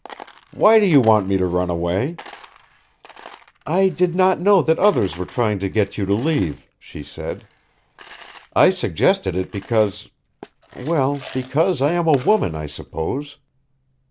"Why do you want me to run away?" "I did not know that others were trying to get you to leave," she said. "I suggested it because well, because I am a woman, I suppose.